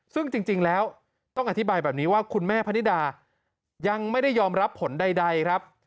ซึ่งจริงแล้วต้องอธิบายแบบนี้ว่าคุณแม่พนิดายังไม่ได้ยอมรับผลใดครับ